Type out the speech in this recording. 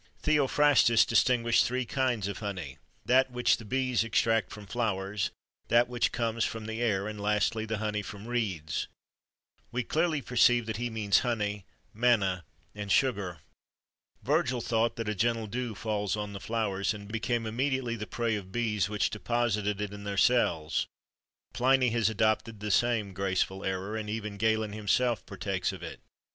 [XXIII 55] Theophrastus distinguished three kinds of honey: that which the bees extract from flowers, that which comes from the air, and lastly, the honey from reeds.[XXIII 16] We clearly perceive that he means honey, manna, and sugar. Virgil thought that a gentle dew falls on the flowers, and became immediately the prey of bees, which deposited it in their cells.[XXIII 17] Pliny has adopted the same graceful error,[XXIII 18] and even Galen himself partakes of it.